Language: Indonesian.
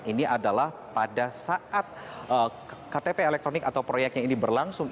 ini adalah pada saat ktp elektronik atau proyeknya ini berlangsung